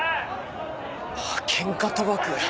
あケンカ賭博。